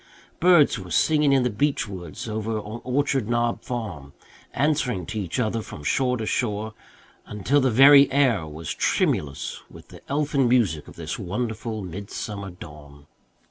Birds were singing in the beech woods over on Orchard Knob Farm, answering to each other from shore to shore, until the very air was tremulous with the elfin music of this wonderful midsummer dawn.